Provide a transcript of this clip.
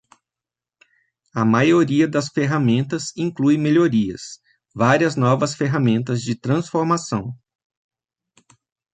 A maioria das ferramentas inclui melhorias, várias novas ferramentas de transformação.